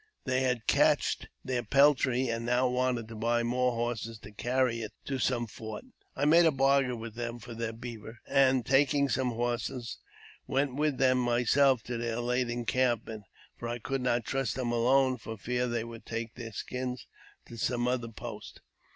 They had cached their peltry, and now wanted to buy more horses to carry it to some fort. I made a bargain with them for their beaver, and, taking some horses, went with them myself to their late encampment, for I could not trust them alone for fear they would take their skins to some other post.